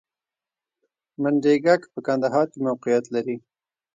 منډیګک په کندهار کې موقعیت لري